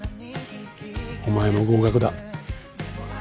お前も合格だ。